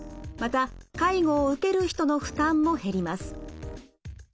また介護を受ける人の負担も減ります。